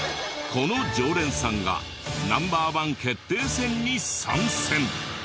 この常連さんがＮｏ．１決定戦に参戦。